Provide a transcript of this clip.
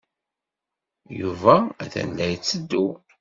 Yuba atan la yetteddu.